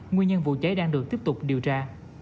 nguyên nhân vụ cháy đang được tiếp tục điều tra